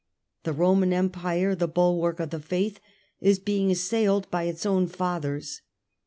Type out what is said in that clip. The Roman Empire, the bulwark of the Faith, is being assailed by its own fathers.